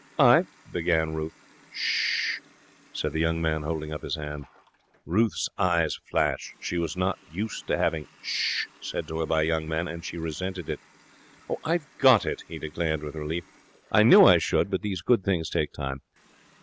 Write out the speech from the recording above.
'I ' began Ruth. ''Sh!' said the young man, holding up his hand. Ruth's eyes flashed. She was not used to having ''Sh!' said to her by young men, and she resented it. 'I've got it,' he declared, with relief. 'I knew I should, but these good things take time.